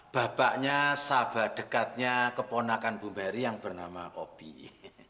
bapaknya sahabat dekatnya keponakan bumbari yang bernama opie